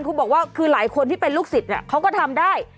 คุณบอกว่าคือหลายคนที่เป็นลูกศิษย์เขาก็ทำได้